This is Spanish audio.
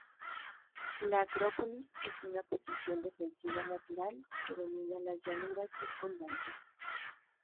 La Acrópolis es una posición defensiva natural que domina las llanuras circundantes.